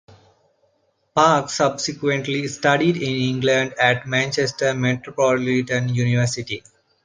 Parkes subsequently studied in England at Manchester Metropolitan University.